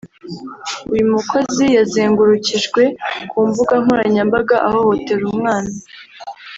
uyu mukozi yazengurukijwe ku mbuga nkoranyambaga ahohotera umwana